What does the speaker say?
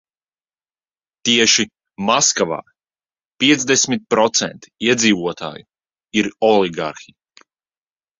Tieši Maskavā piecdesmit procenti iedzīvotāju ir oligarhi.